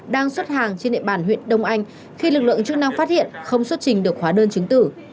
đang xuất hàng trên địa bàn huyện đông anh khi lực lượng chức năng phát hiện không xuất trình được hóa đơn chứng tử